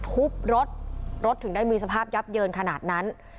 ทุบรถรถถึงได้มีสภาพยับเยินขนาดนั้น